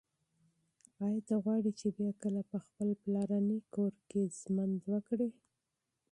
ایا ته غواړي چې بیا کله په خپل پلرني کور کې ژوند وکړې؟